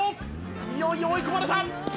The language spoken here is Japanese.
いよいよ追い込まれた！」